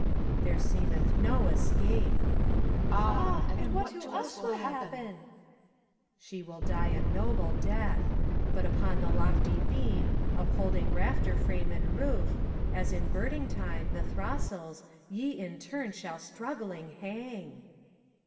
There seemeth no escape. 148 FAUST. CHORUS. Ah! and what to us will happen T PHORKYAS. She will die a noble death ; But upon the lofty beam, upholding rafter frame and roof, As in birding time the throstles, ye in turn shall strug gling hang